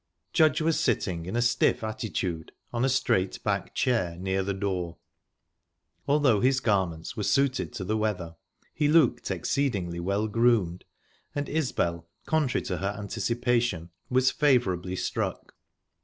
Judge was sitting in a stiff attitude on a straight backed chair near the door. Although his garments were suited to the weather, he looked exceedingly well groomed, and Isbel, contrary to her anticipation, was favourably struck.